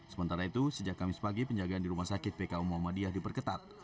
sementara itu sejak kamis pagi penjagaan di rumah sakit pku muhammadiyah diperketat